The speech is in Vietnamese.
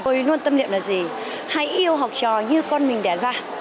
tôi luôn tâm niệm là gì hay yêu học trò như con mình đẻ ra